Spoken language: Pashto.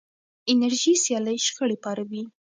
انرژي سیالۍ شخړې پاروي.